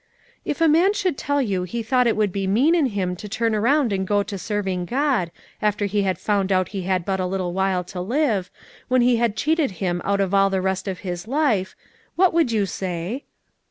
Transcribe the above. "If a man should tell you he thought it would be mean in him to turn around and go to serving God, after he had found out he had but a little while to live, when he had cheated Him out of all the rest of his life, what would you say?"